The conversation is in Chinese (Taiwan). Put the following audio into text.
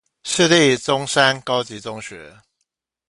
市立中山高級中學